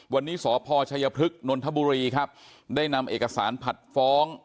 วันนี้สพชัยพฤกษนนทบุรีครับได้นำเอกสารผัดฟ้อง